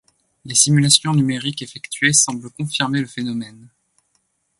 Les simulations numériques effectuées semblent confirmer le phénomène.